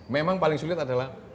memang paling sulit adalah